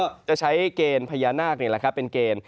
ใช่ครับก็ใช้แกณฑพญานากนี่เอาล่ะค่ะเป็นแกณฑ